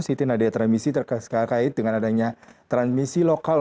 siti nadia transmisi terkait dengan adanya transmisi lokal